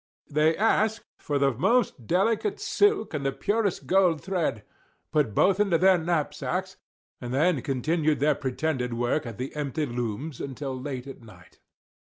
They asked for the most delicate silk and the purest gold thread; put both into their own knapsacks; and then continued their pretended work at the empty looms until late at night.